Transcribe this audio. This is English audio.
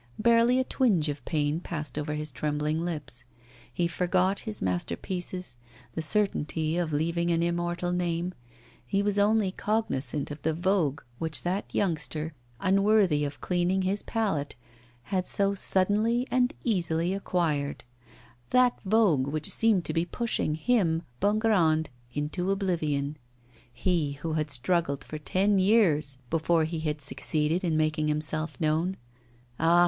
Barely a twinge of pain passed over his trembling lips. He forgot his masterpieces, the certainty of leaving an immortal name, he was only cognisant of the vogue which that youngster, unworthy of cleaning his palette, had so suddenly and easily acquired, that vogue which seemed to be pushing him, Bongrand, into oblivion he who had struggled for ten years before he had succeeded in making himself known. Ah!